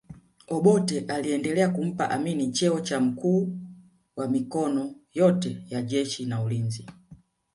Obote aliendelea kumpa Amin cheo cha mkuu wa mikono yote ya jeshi na ulinzi